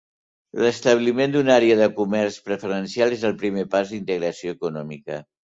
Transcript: L'establiment d'una àrea de comerç preferencial és el primer pas d'integració econòmica.